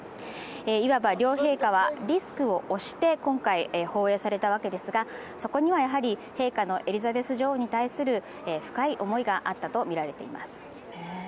いわば両陛下はリスクを押して、今回訪英されたわけですが、そこには陛下のエリザベス女王に対する深い思いがあったとみられています。